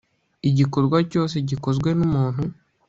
igikorwa cyose gikozwe n umuntu